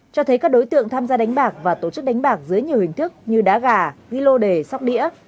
cho thấy các đối tượng tham gia đánh bạc và tổ chức đánh bạc dưới nhiều hình thức như đá gà ghi lô đề sóc đĩa